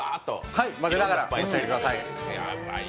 はい、混ぜながら召し上がってください。